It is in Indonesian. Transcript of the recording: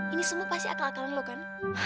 ini semua pasti akal akalan loh kan